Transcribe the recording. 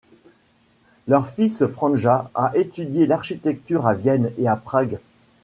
Leur fils Franja a étudié l'architecture à Vienne et à Prague.